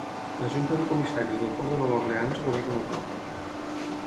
La Junta de Comissaris del Port de Nova Orleans governa el port.